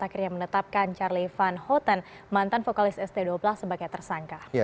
akhirnya menetapkan charlie van hoten mantan vokalis st dua belas sebagai tersangka